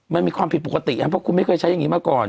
มันมีความผิดปกติเพราะคุณไม่เคยใช้อย่างนี้มาก่อน